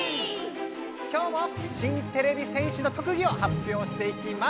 今日も新てれび戦士の特技を発表していきます。